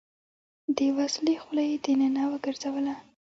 د وسلې خوله يې دننه وګرځوله.